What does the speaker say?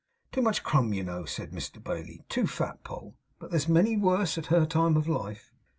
'Too much crumb, you know,' said Mr Bailey; 'too fat, Poll. But there's many worse at her time of life.